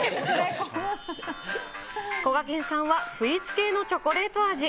こがけんさんはスイーツ系のチョコレート味。